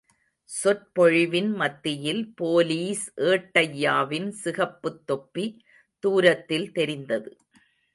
சொற்பொழிவின் மத்தியில் போலீஸ் ஏட்டய்யாவின் சிகப்புத் தொப்பி தூரத்தில் தெரிந்தது.